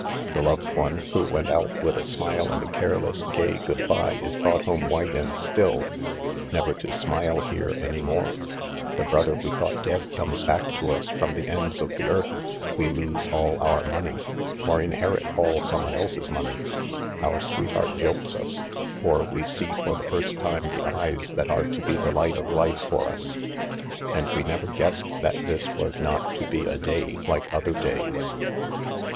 The loved one who went out with a smile and a careless, gay good bye is brought home white and still, never to smile here any more ; the brother we thought dead comes back to us from the ends of the earth ; we lose all our money— or inherit all someone else's money; our sweetheart jilts us— or we see for the first time the eyes that are to be the light of life for us. And we never guessed that this was not to be a day like other days.